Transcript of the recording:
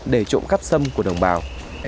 để trộm cắp sâm của đồng bào